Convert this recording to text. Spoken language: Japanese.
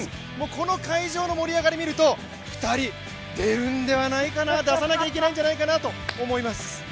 この会場の盛り上がりを見ると、２人、出るんではないかな、出さなきゃいけないんじゃないかなと思います。